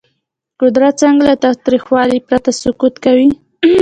قدرت څنګه له تاوتریخوالي پرته سقوط کوي؟